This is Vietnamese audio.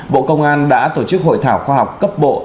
bộ công an đã tổ chức hội thảo khoa học cấp bộ